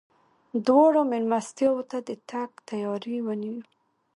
دواړو مېلمستیاوو ته د تګ تیاری ونیو.